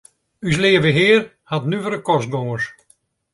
Us Leave Hear hat nuvere kostgongers.